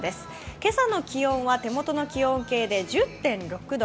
今朝の気温は手元の気温計で１０．６度。